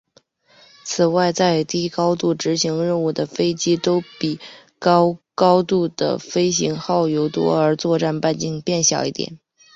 此外在低高度执行任务的飞机都比高高度的飞行耗油多而作战半径变小一点。